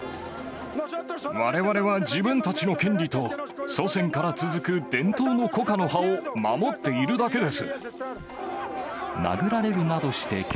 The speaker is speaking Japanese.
われわれは自分たちの権利と、祖先から続く伝統のコカの葉を守っているだけです。